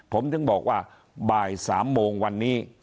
ปลาย๓โมงวันนี้